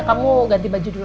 kamu ganti baju dulu